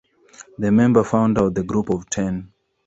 The member founder of the "Group of ten".